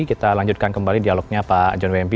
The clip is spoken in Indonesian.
kita lanjutkan kembali dialognya pak jomim mp